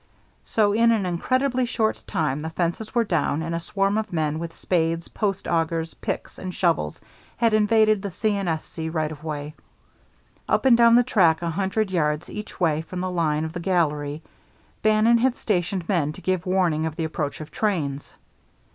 So in an incredibly short time the fences were down and a swarm of men with spades, post augers, picks, and shovels had invaded the C. & S. C. right of way. Up and down the track a hundred yards each way from the line of the gallery Bannon had stationed men to give warning of the approach of trains.